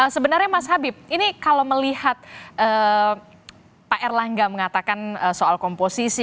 sebenarnya mas habib ini kalau melihat pak erlangga mengatakan soal komposisi